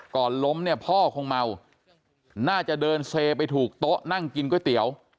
ล้มเนี่ยพ่อคงเมาน่าจะเดินเซไปถูกโต๊ะนั่งกินก๋วยเตี๋ยว